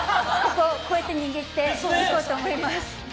こうやって握って行こうと思います。